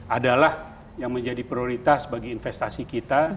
adalah yang menjadi prioritas bagi investasi kita